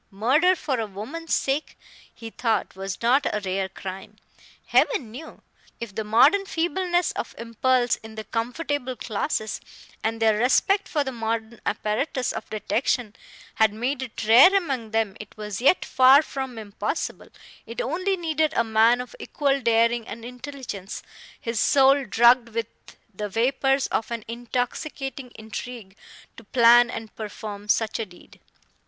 Murder for a woman's sake, he thought, was not a rare crime, Heaven knew! If the modern feebleness of impulse in the comfortable classes, and their respect for the modern apparatus of detection, had made it rare among them, it was yet far from impossible; it only needed a man of equal daring and intelligence, his soul drugged with the vapors of an intoxicating intrigue, to plan and perform such a deed.